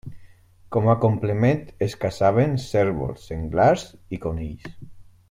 Com a complement es caçaven cérvols, senglars i conills.